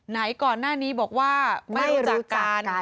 ไหนก่อนหน้านี้บอกว่าไม่รู้จักกัน